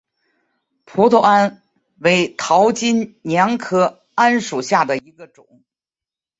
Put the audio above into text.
葡萄桉为桃金娘科桉属下的一个种。